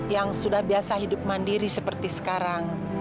yang sudah biasa hidup mandiri seperti sekarang